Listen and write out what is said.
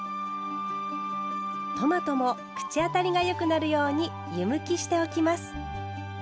トマトも口当たりがよくなるように湯むきしておきます。